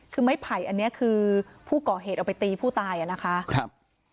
คือไม้ไผ่อันนี้คือผู้ก่อเหตุเอาไปตีผู้ตายอ่ะนะคะครับ